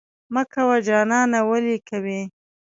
مه کوه جانانه ولې کوې؟